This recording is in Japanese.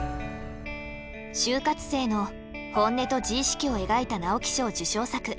就活生の本音と自意識を描いた直木賞受賞作。